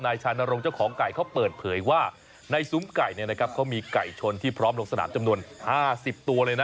นายชานรงค์เจ้าของไก่เขาเปิดเผยว่าในซุ้มไก่เนี้ยนะครับเขามีไก่ชนที่พร้อมลงสนามจำนวนห้าสิบตัวเลยน่ะ